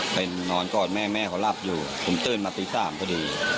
นอนกอดแม่แม่เขาหลับอยู่ผมตื่นมาตี๓พอดี